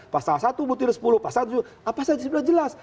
pasal satu butir sepuluh pasal tujuh apa saja sudah jelas